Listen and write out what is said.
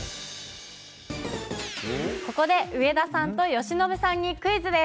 ここで、上田さんと由伸さんにクイズです。